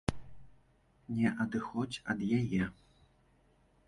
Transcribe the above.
Не адыходзь ад яе.